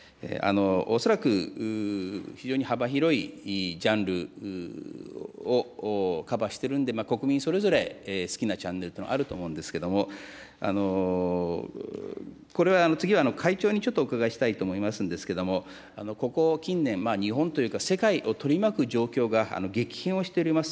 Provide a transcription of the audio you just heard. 恐らく、非常に幅広いジャンルをカバーしてるんで、国民それぞれ好きなチャンネルというのはあると思うんですけれども、これは次は会長にちょっとお伺いしたいと思いますんですけれども、ここ近年、日本というか、世界を取り巻く状況が激変をしております。